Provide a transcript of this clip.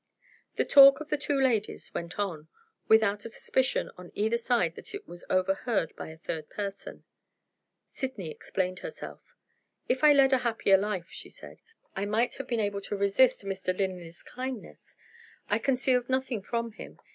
The talk of the two ladies went on, without a suspicion on either side that it was overheard by a third person. Sydney explained herself. "If I had led a happier life," she said, "I might have been able to resist Mr. Linley's kindness. I concealed nothing from him.